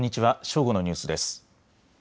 正午のニュースです。